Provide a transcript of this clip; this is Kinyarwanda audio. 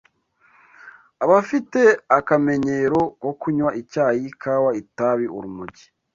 Abafite akamenyero ko kunywa icyayi, ikawa, itabi, urumogi,